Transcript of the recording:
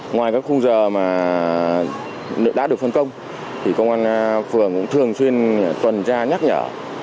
ngoài các khung giờ mà đã được phân công thì công an phường cũng thường xuyên tuần tra nhắc nhở